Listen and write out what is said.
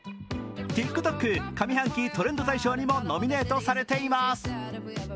ＴｉｋＴｏｋ上半期トレンド大賞にもノミネートされています。